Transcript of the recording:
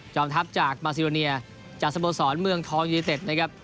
ทัพจากมาซิโรเนียจากสโมสรเมืองทองยูเนเต็ดนะครับ